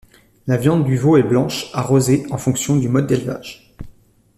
La viande du veau est blanche à rosée en fonction du mode d'élevage.